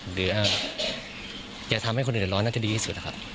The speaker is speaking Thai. อย่าทำให้คนอื่นร้อนน่าจะดีที่สุดนะครับ